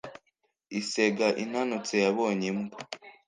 isega inanutse yabonye imbwa